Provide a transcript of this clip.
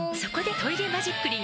「トイレマジックリン」